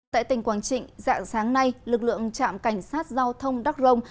tại tỉnh quảng trịnh dạng sáng nay lực lượng trạm cảnh sát giao thông đắk rồng